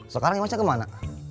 sekarang imasnya kemana